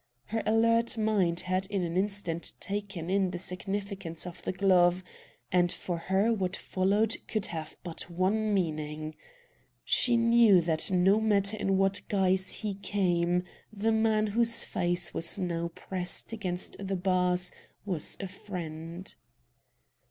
Her alert mind had in an instant taken in the significance of the glove, and for her what followed could have but one meaning. She knew that no matter in what guise he came the man whose face was now pressed against the bars was a friend.